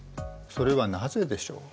それはなぜでしょう？